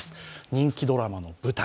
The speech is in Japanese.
人気ドラマの舞台。